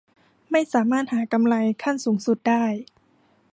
ไม่สามารถหากำไรขั้นสูงสุดได้